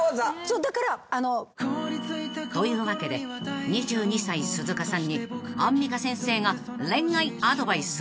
［というわけで２２歳鈴鹿さんにアンミカ先生が恋愛アドバイス］